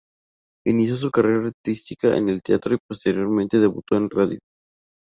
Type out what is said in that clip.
Inició su carrera artística en el teatro y posteriormente debutó en radio.